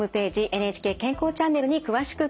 「ＮＨＫ健康チャンネル」に詳しく掲載されています。